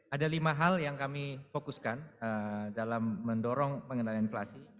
ada lima hal yang kami fokuskan dalam mendorong pengendalian inflasi